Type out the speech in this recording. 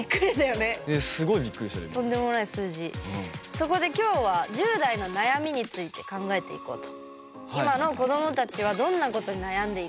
そこで、今日は１０代の悩みについて考えていこうと。